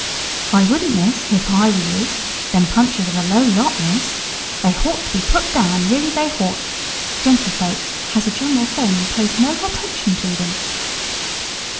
"H'I wouldn't, Miss, h'if h'I was you. Them Punches are a low lot, Miss; they h'ought to be put down, really they h'ought. Gentlefolks, h'as a general thing, pays no h'attention to them."